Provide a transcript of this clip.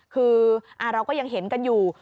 คือเราก็ยังเห็นกันอยู่